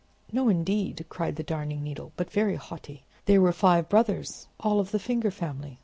"No, indeed," cried the Darning Needle, "but very haughty. There were five brothers, all of the finger family.